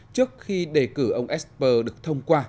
trước khi đề cử ông esper được thông qua